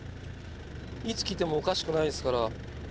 いつきてもおかしくないですから。